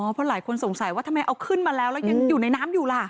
เพราะหลายคนสงสัยว่าทำไมเอาขึ้นมาแล้วแล้วยังอยู่ในน้ำอยู่ล่ะ